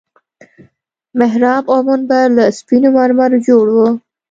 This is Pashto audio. محراب او منبر له سپينو مرمرو جوړ وو.